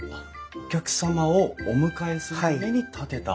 お客様をお迎えするために建てた。